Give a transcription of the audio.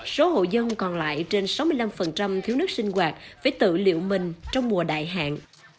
số hộ dân còn lại trên sáu mươi năm thiếu nước sinh hoạt phải tự liệu mình trong mùa đại hạn